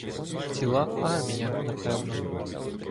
Ціла армія, напевно.